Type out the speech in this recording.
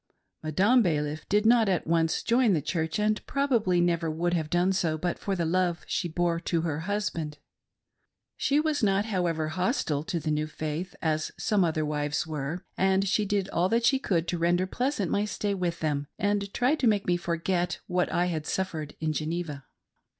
Madame Balif did not at once join the Church, and probably never would have done so but for the love which she bore to her husband ; she was not however hostile to the new faith, as some other wives were, and she did all that she could to render pleasant my stay with them, and tried to make me forget what I had suffered in Geneva.